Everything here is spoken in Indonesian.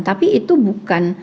tapi itu bukan